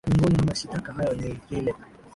miongoni mwa mashitaka hayo ni lile